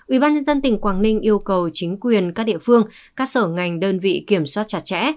ubnd tỉnh quảng ninh yêu cầu chính quyền các địa phương các sở ngành đơn vị kiểm soát chặt chẽ